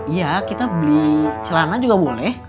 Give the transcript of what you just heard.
iya kita beli celana juga boleh